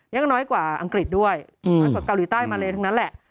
ยังน้อยกว่าอังกฤษด้วยเกาหลีใต้มาเลทั้งนั้นแหละ